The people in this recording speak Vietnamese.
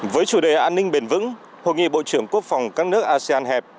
với chủ đề an ninh bền vững hội nghị bộ trưởng quốc phòng các nước asean hẹp